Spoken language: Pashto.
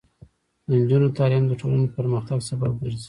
د نجونو تعلیم د ټولنې پرمختګ سبب ګرځي.